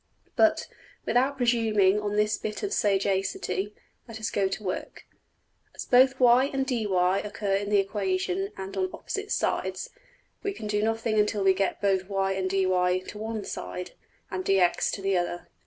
But, without presuming on this bit of sagacity, let us go to work. As both $y$~and~$dy$ occur in the equation and on opposite sides, we can do nothing until we get both $y$~and~$dy$ to one side, and $dx$~to the other.